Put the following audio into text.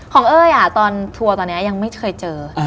เอ้ยตอนทัวร์ตอนนี้ยังไม่เคยเจอ